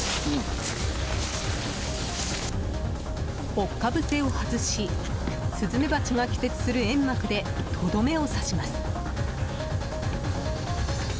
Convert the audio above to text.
おっかぶせを外しスズメバチが気絶する煙幕でとどめを刺します。